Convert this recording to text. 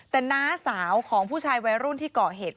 แต่น้าสาวของผู้ชายวัยรุ่นที่เกาะเหตุ